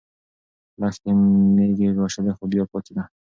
لښتې مېږې لوشلې خو بیا پاڅېده.